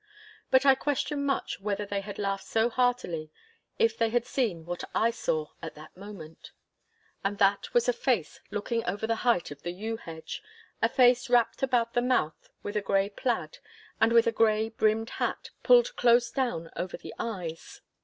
But I question much whether they had laughed so heartily if they had seen what I saw at that moment. And that was a face looking over the height of the yew hedge—a face wrapped about the mouth with a grey plaid and with a grey brimmed hat pulled close down over the eyes.